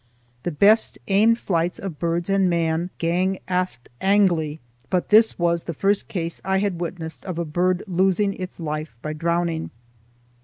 The best aimed flights of birds and man "gang aft agley," but this was the first case I had witnessed of a bird losing its life by drowning.